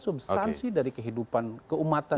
substansi dari kehidupan keumatan